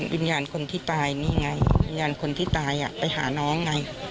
วิญญาณคนที่ตายนี่ไงวิญญาณคนที่ตายไปหาน้องไง